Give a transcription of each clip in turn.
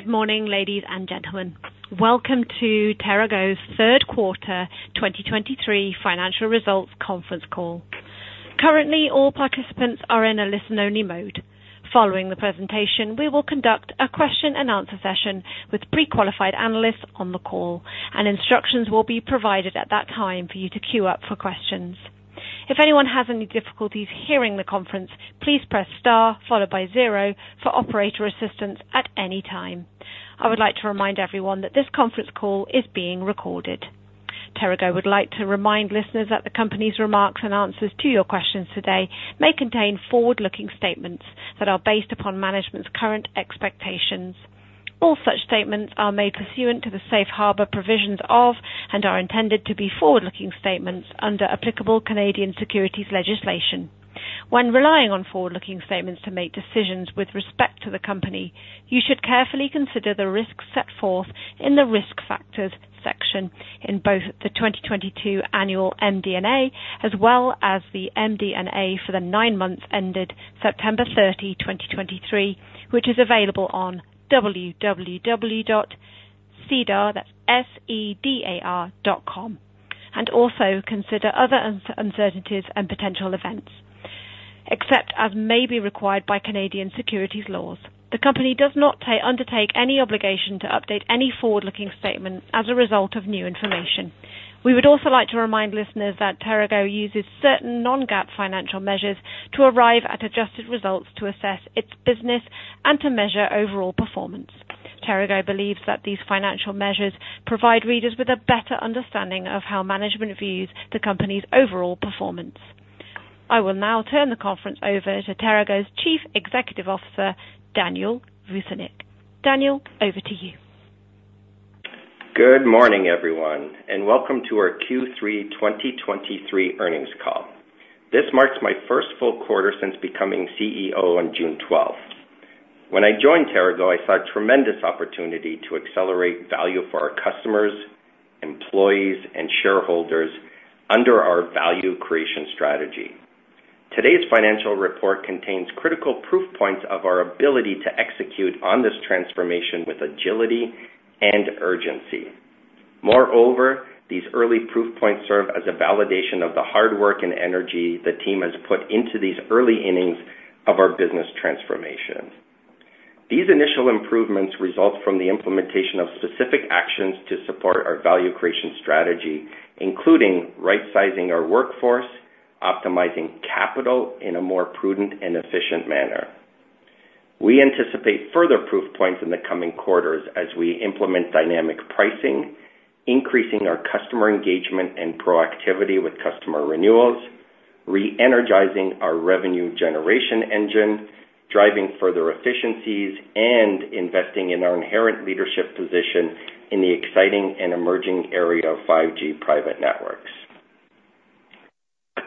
Good morning, ladies and gentlemen. Welcome to TeraGo's third quarter 2023 financial results conference call. Currently, all participants are in a listen-only mode. Following the presentation, we will conduct a question-and-answer session with pre-qualified analysts on the call, and instructions will be provided at that time for you to queue up for questions. If anyone has any difficulties hearing the conference, please press star followed by zero for operator assistance at any time. I would like to remind everyone that this conference call is being recorded. TeraGo would like to remind listeners that the company's remarks and answers to your questions today may contain forward-looking statements that are based upon management's current expectations. All such statements are made pursuant to the safe harbor provisions of and are intended to be forward-looking statements under applicable Canadian securities legislation. When relying on forward-looking statements to make decisions with respect to the company, you should carefully consider the risks set forth in the Risk Factors section in both the 2022 annual MD&A, as well as the MD&A for the nine months ended September 30, 2023, which is available on www.sedar.com, that's S-E-D-A-R.com, and also consider other uncertainties and potential events. Except as may be required by Canadian securities laws, the company does not undertake any obligation to update any forward-looking statements as a result of new information. We would also like to remind listeners that TeraGo uses certain non-GAAP financial measures to arrive at adjusted results to assess its business and to measure overall performance. TeraGo believes that these financial measures provide readers with a better understanding of how management views the company's overall performance. I will now turn the conference over to TeraGo's Chief Executive Officer, Daniel Vucinic. Daniel, over to you. Good morning, everyone, and welcome to our Q3 2023 earnings call. This marks my first full quarter since becoming CEO on June 12. When I joined TeraGo, I saw a tremendous opportunity to accelerate value for our customers, employees, and shareholders under our value creation strategy. Today's financial report contains critical proof points of our ability to execute on this transformation with agility and urgency. Moreover, these early proof points serve as a validation of the hard work and energy the team has put into these early innings of our business transformation. These initial improvements result from the implementation of specific actions to support our value creation strategy, including right-sizing our workforce, optimizing capital in a more prudent and efficient manner. We anticipate further proof points in the coming quarters as we implement dynamic pricing, increasing our customer engagement and proactivity with customer renewals, re-energizing our revenue generation engine, driving further efficiencies, and investing in our inherent leadership position in the exciting and emerging area of 5G private networks.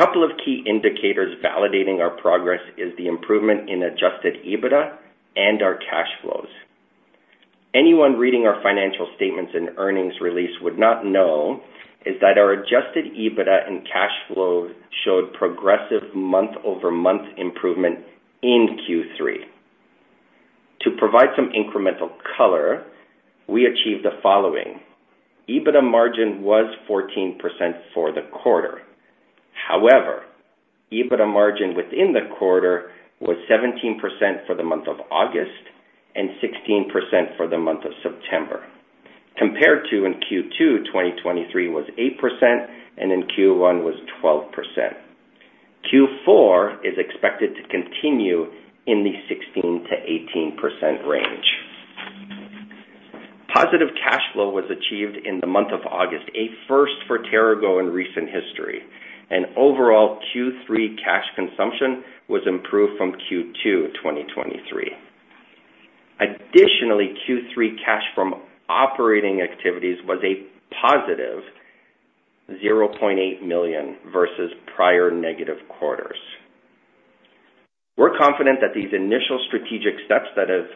A couple of key indicators validating our progress is the improvement in Adjusted EBITDA and our cash flows. Anyone reading our financial statements and earnings release would not know is that our Adjusted EBITDA and cash flows showed progressive month-over-month improvement in Q3. To provide some incremental color, we achieved the following: EBITDA margin was 14% for the quarter. However, EBITDA margin within the quarter was 17% for the month of August and 16% for the month of September, compared to in Q2, 2023 was 8% and in Q1 was 12%. Q4 is expected to continue in the 16%-18% range. Positive cash flow was achieved in the month of August, a first for TeraGo in recent history, and overall Q3 cash consumption was improved from Q2 2023. Additionally, Q3 cash from operating activities was a positive 0.8 million versus prior negative quarters. We're confident that these initial strategic steps that have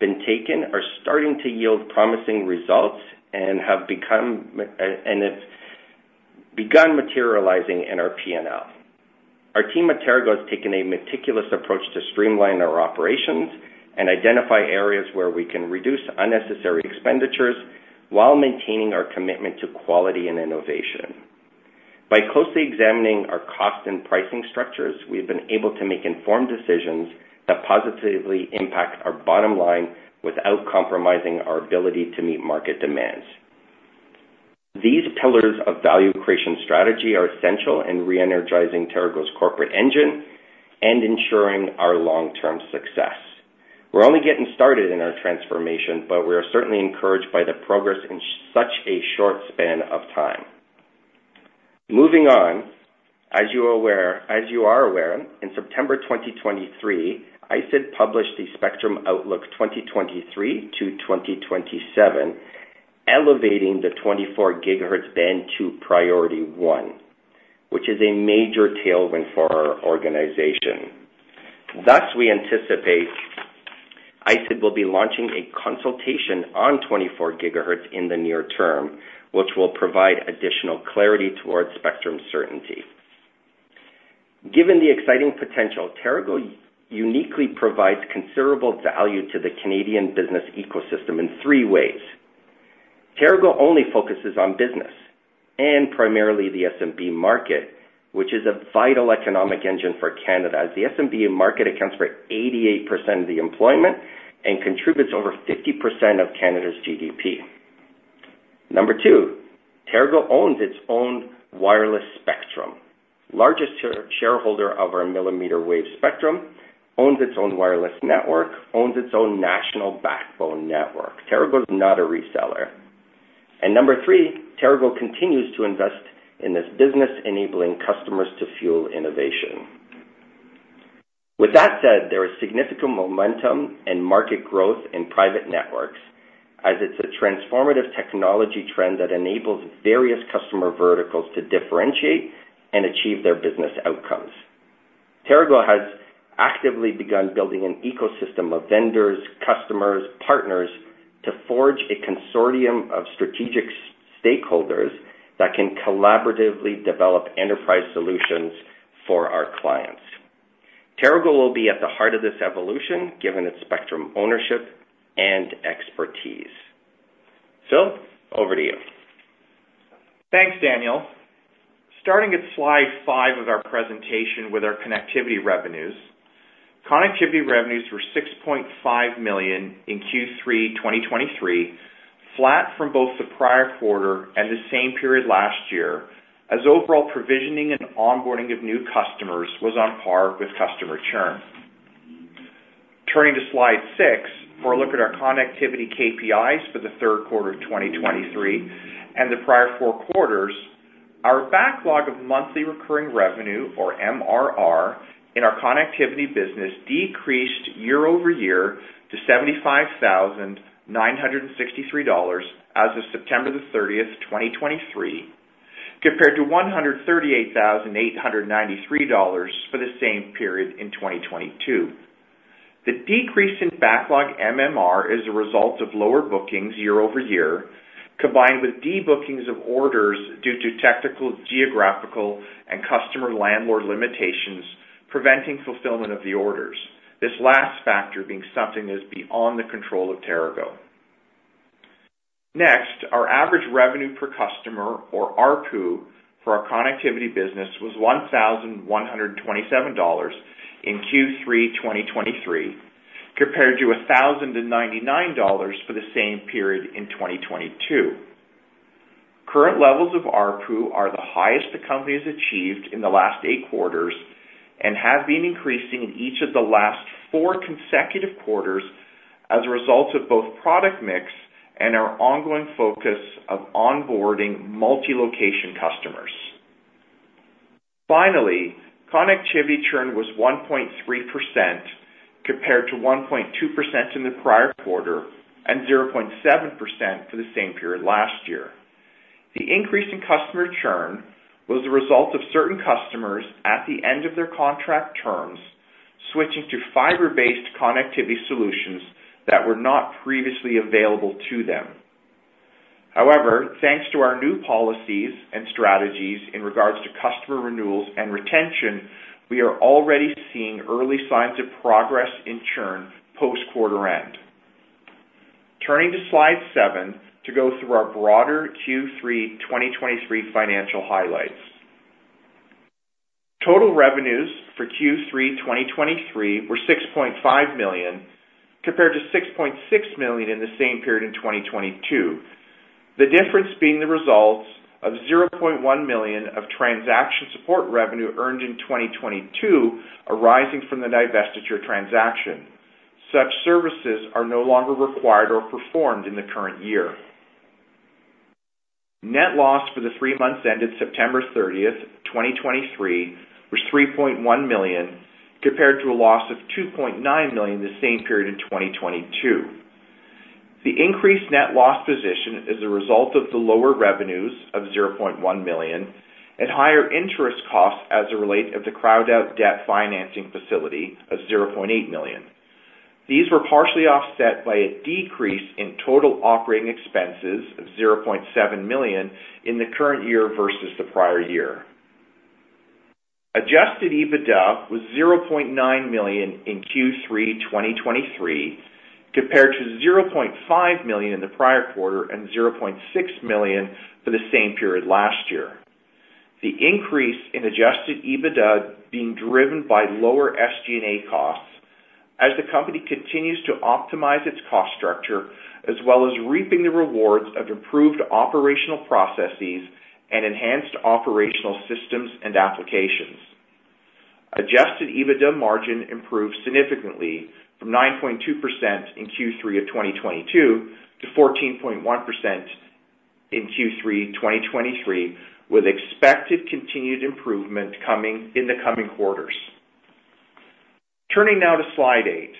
been taken are starting to yield promising results and have become, and it's begun materializing in our P&L. Our team at TeraGo has taken a meticulous approach to streamline our operations and identify areas where we can reduce unnecessary expenditures while maintaining our commitment to quality and innovation. By closely examining our cost and pricing structures, we've been able to make informed decisions that positively impact our bottom line without compromising our ability to meet market demands. These pillars of value creation strategy are essential in re-energizing TeraGo's corporate engine and ensuring our long-term success. We're only getting started in our transformation, but we are certainly encouraged by the progress in such a short span of time. Moving on, as you are aware, in September 2023, ISED published the Spectrum Outlook 2023 to 2027, elevating the 24 GHz band to priority one, which is a major tailwind for our organization. Thus, we anticipate ISED will be launching a consultation on 24 GHz in the near term, which will provide additional clarity towards spectrum certainty. Given the exciting potential, TeraGo uniquely provides considerable value to the Canadian business ecosystem in three ways. TeraGo only focuses on business and primarily the SMB market, which is a vital economic engine for Canada, as the SMB market accounts for 88% of the employment and contributes over 50% of Canada's GDP. Number two, TeraGo owns its own wireless spectrum. Largest shareholder of our millimeter wave spectrum, owns its own wireless network, owns its own national backbone network. TeraGo is not a reseller. Number three, TeraGo continues to invest in this business, enabling customers to fuel innovation. With that said, there is significant momentum and market growth in private networks as it's a transformative technology trend that enables various customer verticals to differentiate and achieve their business outcomes. TeraGo has actively begun building an ecosystem of vendors, customers, partners, to forge a consortium of strategic stakeholders that can collaboratively develop enterprise solutions for our clients. TeraGo will be at the heart of this evolution, given its spectrum, ownership, and expertise. Phil, over to you. Thanks, Daniel. Starting at slide five of our presentation with our connectivity revenues. Connectivity revenues were 6.5 million in Q3 2023, flat from both the prior quarter and the same period last year, as overall provisioning and onboarding of new customers was on par with customer churn. Turning to slide six, for a look at our connectivity KPIs for the third quarter of 2023 and the prior four quarters, our backlog of monthly recurring revenue, or MRR, in our connectivity business decreased year-over-year to 75,963 dollars as of September the thirtieth, 2023, compared to 138,893 dollars for the same period in 2022. The decrease in backlog MRR is a result of lower bookings year-over-year, combined with debookings of orders due to technical, geographical, and customer landlord limitations, preventing fulfillment of the orders, this last factor being something that is beyond the control of TeraGo. Next, our average revenue per customer, or ARPU, for our connectivity business was 1,127 dollars in Q3 2023, compared to 1,099 dollars for the same period in 2022. Current levels of ARPU are the highest the company has achieved in the last eight quarters and have been increasing in each of the last four consecutive quarters as a result of both product mix and our ongoing focus of onboarding multi-location customers. Finally, connectivity churn was 1.3%, compared to 1.2% in the prior quarter and 0.7% for the same period last year. The increase in customer churn was the result of certain customers at the end of their contract terms, switching to fiber-based connectivity solutions that were not previously available to them. However, thanks to our new policies and strategies in regards to customer renewals and retention, we are already seeing early signs of progress in churn post-quarter end. Turning to slide seven, to go through our broader Q3 2023 financial highlights. Total revenues for Q3 2023 were 6.5 million, compared to 6.6 million in the same period in 2022. The difference being the results of 0.1 million of transaction support revenue earned in 2022, arising from the divestiture transaction. Such services are no longer required or performed in the current year. Net loss for the three months ended September 30th, 2023, was 3.1 million, compared to a loss of 2.9 million in the same period in 2022. The increased net loss position is a result of the lower revenues of 0.1 million and higher interest costs as a result of the Crown debt financing facility of 0.8 million. These were partially offset by a decrease in total operating expenses of 0.7 million in the current year versus the prior year. Adjusted EBITDA was 0.9 million in Q3 2023, compared to 0.5 million in the prior quarter and 0.6 million for the same period last year. The increase in Adjusted EBITDA being driven by lower SG&A costs as the company continues to optimize its cost structure, as well as reaping the rewards of improved operational processes and enhanced operational systems and applications. Adjusted EBITDA margin improved significantly from 9.2% in Q3 of 2022 to 14.1% in Q3 2023, with expected continued improvement coming in the coming quarters. Turning now to slide eight.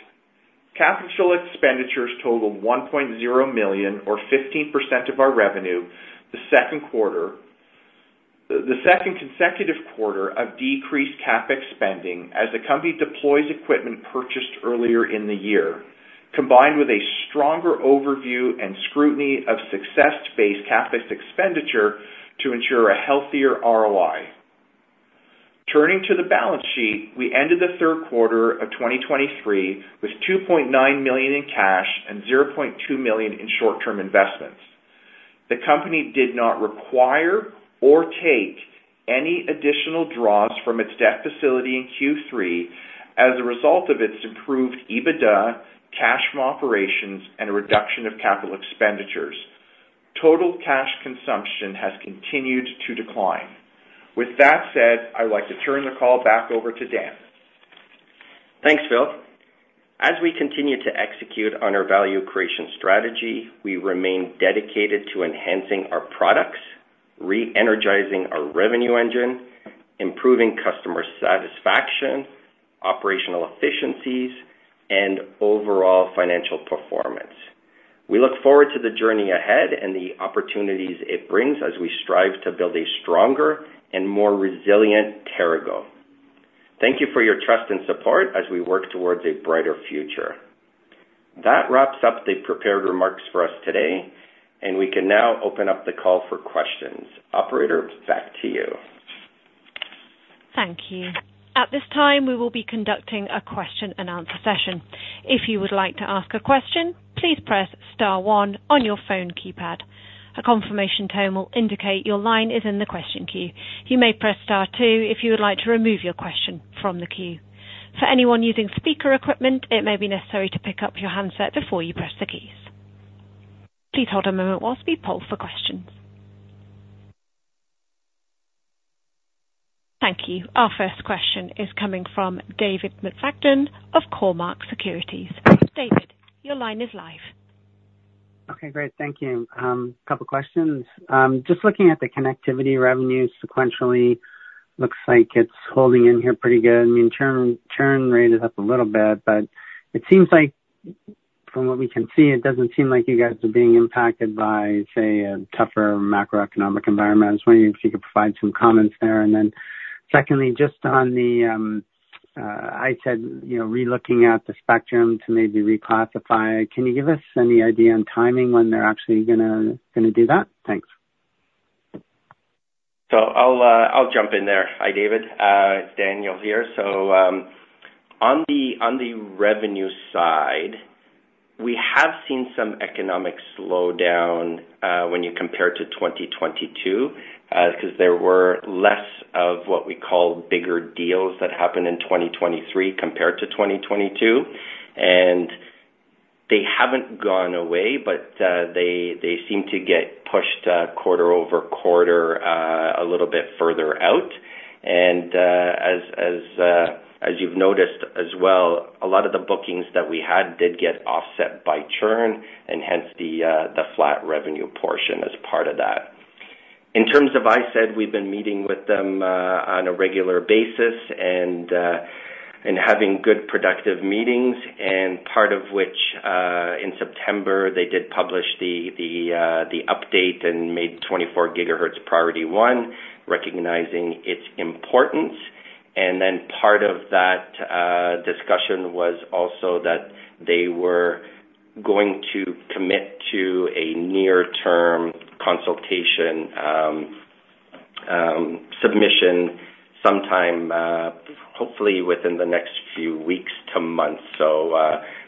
Capital expenditures totaled 1.0 million or 15% of our revenue, the second consecutive quarter of decreased CapEx spending, as the company deploys equipment purchased earlier in the year, combined with a stronger overview and scrutiny of success-based CapEx expenditure to ensure a healthier ROI. Turning to the balance sheet, we ended the third quarter of 2023 with 2.9 million in cash and 0.2 million in short-term investments. The company did not require or take any additional draws from its debt facility in Q3 as a result of its improved EBITDA, cash from operations, and a reduction of capital expenditures. Total cash consumption has continued to decline. With that said, I'd like to turn the call back over to Dan. Thanks, Phil. As we continue to execute on our value creation strategy, we remain dedicated to enhancing our products, re-energizing our revenue engine, improving customer satisfaction, operational efficiencies, and overall financial performance. We look forward to the journey ahead and the opportunities it brings as we strive to build a stronger and more resilient TeraGo. Thank you for your trust and support as we work towards a brighter future. That wraps up the prepared remarks for us today, and we can now open up the call for questions. Operator, back to you. Thank you. At this time, we will be conducting a question-and-answer session. If you would like to ask a question, please press star one on your phone keypad. A confirmation tone will indicate your line is in the question queue. You may press star two if you would like to remove your question from the queue. For anyone using speaker equipment, it may be necessary to pick up your handset before you press the keys. Please hold a moment while we poll for questions. Thank you. Our first question is coming from David McFadgen of Cormark Securities. David, your line is live. Okay, great. Thank you. A couple questions. Just looking at the connectivity revenue sequentially, looks like it's holding in here pretty good. I mean, churn rate is up a little bit, but it seems like from what we can see, it doesn't seem like you guys are being impacted by, say, a tougher macroeconomic environment. I was wondering if you could provide some comments there. And then secondly, just on the, ISED, you know, relooking at the spectrum to maybe reclassify, can you give us any idea on timing when they're actually gonna do that? Thanks. So I'll, I'll jump in there. Hi, David, Daniel here. So, on the revenue side, we have seen some economic slowdown, when you compare to 2022, because there were less of what we call bigger deals that happened in 2023 compared to 2022. And they haven't gone away, but, they, they seem to get pushed, quarter over quarter, a little bit further out. And, as, as, as you've noticed as well, a lot of the bookings that we had did get offset by churn and hence the, the flat revenue portion as part of that. In terms of ISED, we've been meeting with them on a regular basis and having good, productive meetings, and part of which in September, they did publish the update and made 24 GHz priority one, recognizing its importance. And then part of that discussion was also that they were going to commit to a near-term consultation submission sometime hopefully within the next few weeks to months. So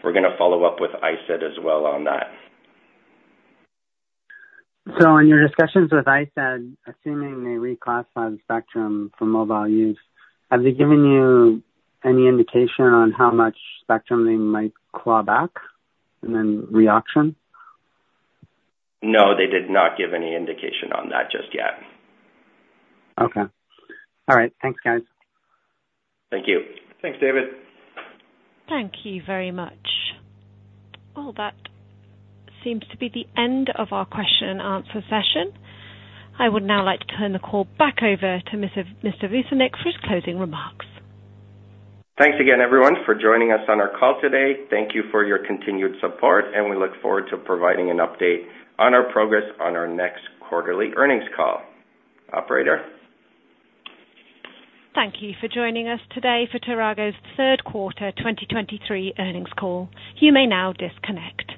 we're gonna follow up with ISED as well on that. In your discussions with ISED, assuming they reclassify the spectrum for mobile use, have they given you any indication on how much spectrum they might claw back and then reauction? No, they did not give any indication on that just yet. Okay. All right. Thanks, guys. Thank you. Thanks, David. Thank you very much. Well, that seems to be the end of our question-and-answer session. I would now like to turn the call back over to Mr. Vucinic for his closing remarks. Thanks again, everyone, for joining us on our call today. Thank you for your continued support, and we look forward to providing an update on our progress on our next quarterly earnings call. Operator? Thank you for joining us today for TeraGo's third quarter 2023 earnings call. You may now disconnect.